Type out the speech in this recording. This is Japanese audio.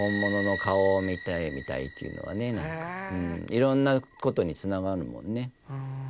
いろんなことにつながるもんね。